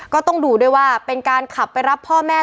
ก็ต้องดูด้วยว่าเป็นการขับไปรับพ่อแม่